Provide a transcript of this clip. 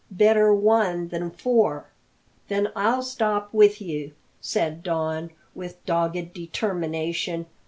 Better one than four." "Then I'll stop with you," said Don, with dogged determination.